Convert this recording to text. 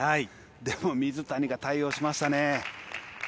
でも、水谷が対応しましたね。